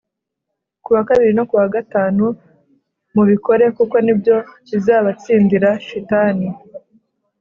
kuwa kabiri no kuwa gatanu, mubikore kuko nibyo bizabatsindira shitani.